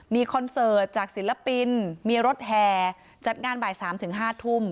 มีคอนเสิร์ตจากศิลปินมีรถแฮร์จัดงานบ่ายสามถึงห้าทุ่ม